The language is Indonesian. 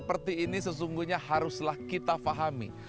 seperti ini sesungguhnya haruslah kita fahami